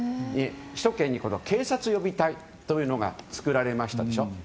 首都圏に警察予備隊というのが作られましたでしょ。